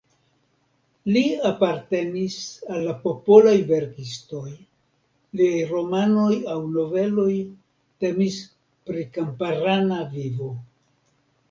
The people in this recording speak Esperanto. Li apartenis al la popolaj verkistoj, liaj romanoj aŭ noveloj temis pri kamparana vivo.